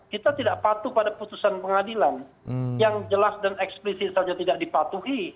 kita tidak patuh pada putusan pengadilan yang jelas dan eksplisit saja tidak dipatuhi